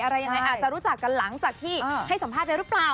อะไรยังไงอาจจะรู้จักกันหลังจากที่ให้สัมภาษณ์ไปหรือเปล่า